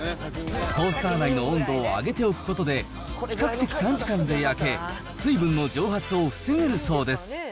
トースター内の温度を上げておくことで、比較的短時間で焼け、水分の蒸発を防げるそうです。